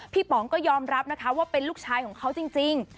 ป๋องก็ยอมรับนะคะว่าเป็นลูกชายของเขาจริง